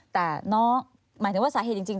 แต่น้องหมายถึงว่าสาเหตุจริง